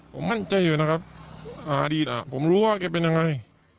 ผมมั่นใจอยู่นะครับอดีตผมรู้ว่าแกเป็นยังไง